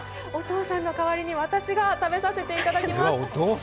お父さんの代わりに私が食べさせていただきます。